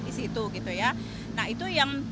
di situ gitu ya nah itu yang